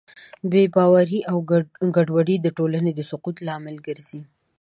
بېباورۍ او ګډوډۍ د ټولنې د سقوط لامل ګرځي.